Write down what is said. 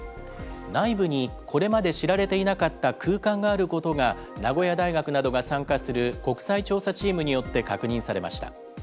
内部にこれまで知られていなかった空間があることが、名古屋大学などが参加する国際調査チームによって確認されました。